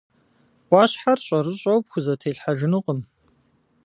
Ӏуащхьэр щӀэрыщӀэу пхузэтелъхьэжынукъым.